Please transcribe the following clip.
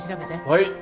はい。